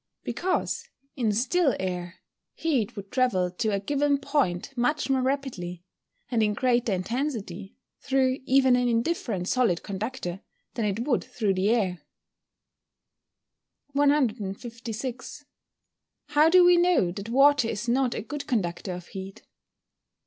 _ Because, in still air, heat would travel to a given point much more rapidly, and in greater intensity, through even an indifferent solid conductor, than it would through the air. 156. _How do we know that water is not a good conductor of heat?